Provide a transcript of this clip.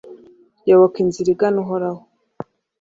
Yoboka inzira igana Uhoraho